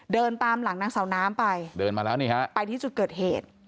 เดินตามหลังนางสาวน้ำไปไปที่จุดเกิดเหตุ